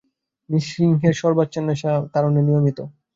সিংহের সর্বনাশেচ্ছা পুরোহিতহস্তধৃত অধ্যাত্মরূপ কশার তাড়নে নিয়মিত।